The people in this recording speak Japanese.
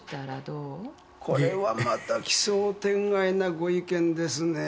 これはまた奇想天外なご意見ですね。